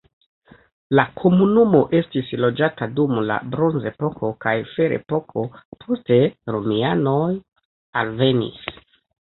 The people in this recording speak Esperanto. La komunumo estis loĝata dum la bronzepoko kaj ferepoko, poste romianoj alvenis.